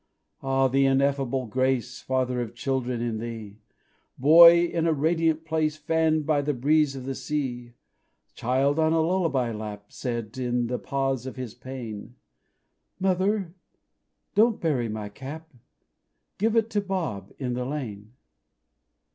_" Ah, the ineffable grace, Father of children, in Thee! Boy in a radiant place, Fanned by the breeze of the sea Child on a lullaby lap Said, in the pause of his pain, "_Mother, don't bury my cap Give it to Bob in the lane.